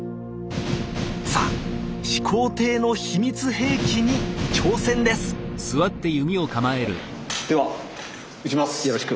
さあ始皇帝の秘密兵器に挑戦ですよろしく。